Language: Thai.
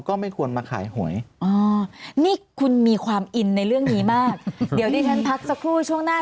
ก็ไม่ควรมาขายหวยอ๋อนี่คุณมีความอินในเรื่องนี้มากเดี๋ยวดิฉันพักสักครู่ช่วงหน้า